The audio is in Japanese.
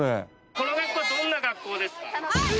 この学校はどんな学校ですか？